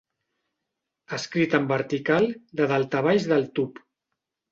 Escrit en vertical, de dalt a baix del tub.